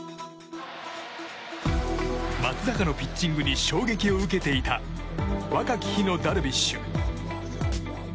松坂のピッチングに衝撃を受けていた若き日のダルビッシュ。